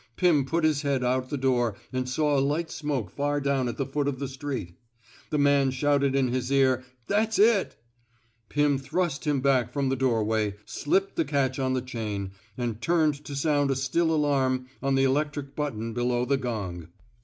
Pim put his head out the door and saw a light smoke far down at the foot of the street. The man shouted in his ear, '' That's it !" Pim thrust him back from the doorway, slipped the catch on the chain, and turned to sound a still alarm on the electric button below the gong.